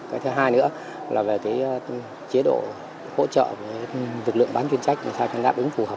cái thứ hai nữa là về cái chế độ hỗ trợ với lực lượng bán chuyên trách làm sao cho nó đúng phù hợp